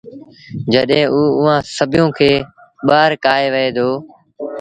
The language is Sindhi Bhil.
جڏهيݩٚ اوٚ اُئآݩٚ سڀنيٚوݩ کي ٻآهر ڪآهي وهي دو